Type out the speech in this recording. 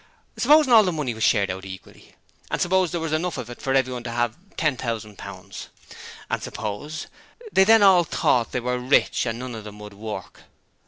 Supposing all the money was shared out equally; and suppose there was enough of it for everyone to have ten thousand pounds; and suppose they then all thought they were rich and none of them would work.